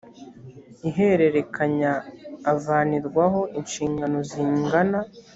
ihererekanya avanirwaho inshingano zingana